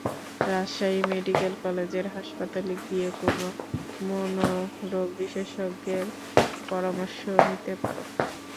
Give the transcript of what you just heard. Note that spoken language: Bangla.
রাজশাহী মেডিকেল কলেজের হাসপাতালে গিয়ে কোনো মনোরোগ বিশেষজ্ঞের পরামর্শ নিতে পারো।